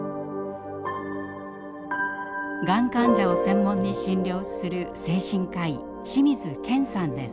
がん患者を専門に診療する精神科医清水研さんです。